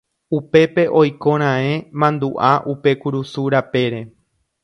Upépe oikoraẽ mandu'a upe kurusu rapére